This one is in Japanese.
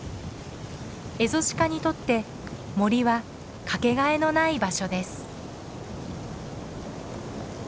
エゾシカにとって森はかけがえのない場所です。